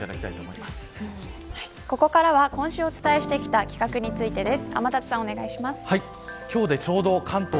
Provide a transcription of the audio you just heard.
雨にもここからは今週お伝えしてきた企画についてです。